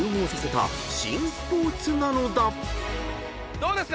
どうですか？